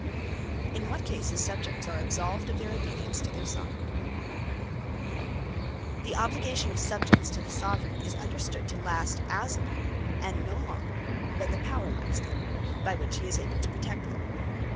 In What Cases Subjects Absolved Of Their Obedience To Their Soveraign The Obligation of Subjects to the Soveraign is understood to last as long, and no longer, than the power lasteth, by which he is able to protect them.